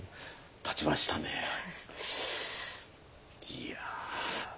いや。